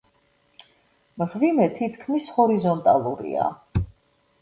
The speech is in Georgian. მღვიმე თითქმის ჰორიზონტალურია.